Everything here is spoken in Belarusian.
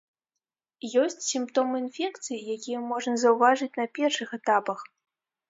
Ёсць сімптомы інфекцый, якія можна заўважыць на першых этапах.